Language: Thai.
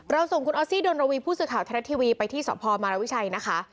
ส่งคุณออสซี่ดนรวีผู้สื่อข่าวไทยรัฐทีวีไปที่สพมารวิชัยนะคะ